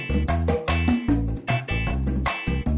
pasti bisa bcvd kalau ada bone